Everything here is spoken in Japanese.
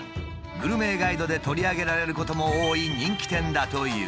グルメガイドで取り上げられることも多い人気店だという。